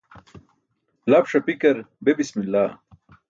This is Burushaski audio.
Lap ṣapikar be bismillah.